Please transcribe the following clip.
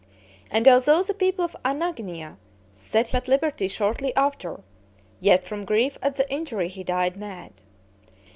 And although the people of Anagnia set him at liberty shortly after, yet from grief at the injury he died mad.